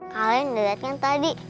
kalian udah liat kan tadi